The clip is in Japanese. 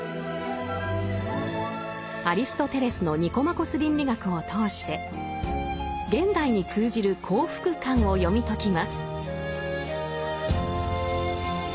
アリストテレスの「ニコマコス倫理学」を通して現代に通じる幸福観を読み解きます。